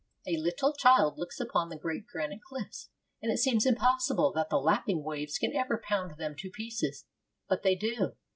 A little child looks upon the great granite cliffs, and it seems impossible that the lapping waves can ever pound them to pieces. But they do.